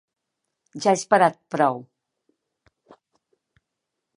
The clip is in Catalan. Ja he esperat prou.